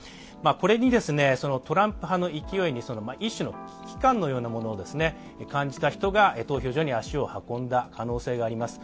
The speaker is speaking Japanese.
これにトランプ派の勢いに一種の危機感のようなものを感じた人が投票所に足を運んだ可能性があります。